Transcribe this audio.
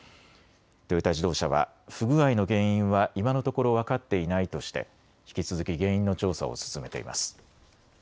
トヨタ自動車は不具合の原因は今のところ分かっていないとして引き続き原因の調査を進めています。